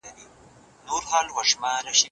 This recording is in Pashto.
ایا دا لاره تر هغې لارې نږدې ده؟